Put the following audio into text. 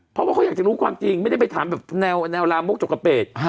เพราะว่าเขาอยากจะรู้ความจริงไม่ได้ไปถามแบบแนวลามกจกกเปด